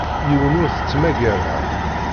Yiwen ur t-ttmagareɣ.